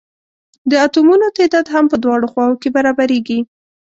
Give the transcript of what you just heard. د اتومونو تعداد هم په دواړو خواؤ کې برابریږي.